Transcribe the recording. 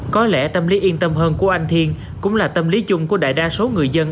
có lẽ tâm lý yên tâm hơn của anh thiên cũng là tâm lý chung của đại đa số người dân